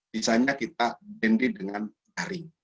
misalnya kita banded dengan jaring